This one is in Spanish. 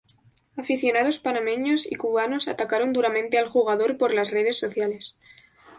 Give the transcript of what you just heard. Aficionados panameños y cubanos atacaron duramente al jugador por las redes sociales.